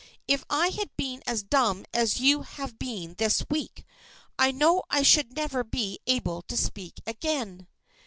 If I had been as dumb as you have been this week, I know I should never be able to speak again."